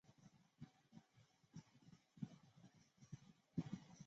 异囊地蛛为地蛛科地蛛属的动物。